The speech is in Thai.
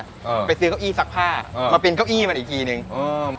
อืมไปซื้อเก้าอี้ซักผ้าอืมมาเป็นเก้าอี้มาอีกกี่นึงอืม